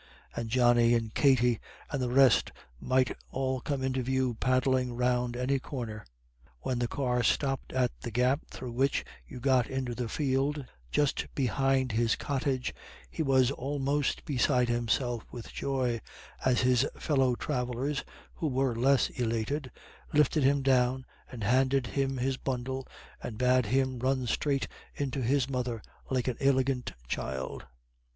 And Johnny and Katty and the rest might all come into view paddling round any corner. When the car stopped at the gap through which you got into the field just behind his cottage, he was almost beside himself with joy, as his fellow travellers, who were less elated, lifted him down and handed him his bundle, and bade him run straight in to his mother like an iligant child.